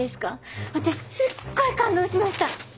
私すっごい感動しました！